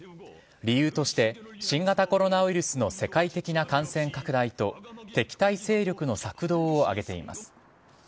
理由として新型コロナウイルスの世界的な感染拡大と敵対勢力の策動を挙げています。